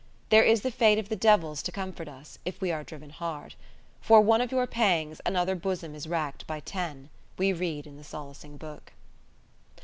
There is the fate of the devils to comfort us, if we are driven hard. "For one of your pangs another bosom is racked by ten", we read in the solacing Book.